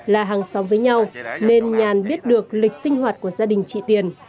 là hàng xóm với nhau nên nhàn biết được lịch sinh hoạt của gia đình chị tiền